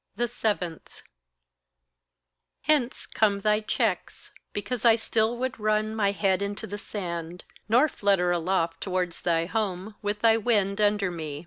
7. Hence come thy checks because I still would run My head into the sand, nor flutter aloft Towards thy home, with thy wind under me.